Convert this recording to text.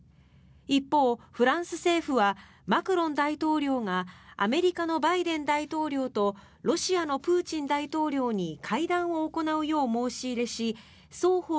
一方、フランス政府はマクロン大統領がアメリカのバイデン大統領とロシアのプーチン大統領に